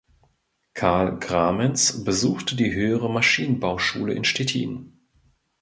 Karl Gramenz besuchte die Höhere Maschinenbauschule in Stettin.